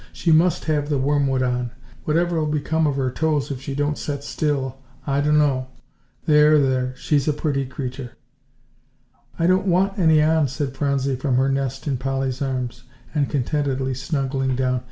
"She must have the wormwood on. Whatever'll become of her toes if she don't set still, I d'no. There, there, she's a pretty creeter." "I don't want any on," said Phronsie from her nest in Polly's arms, and contentedly snuggling down.